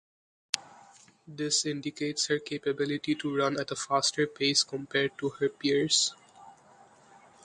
This indicates her capability to run at a faster pace compared to her peers.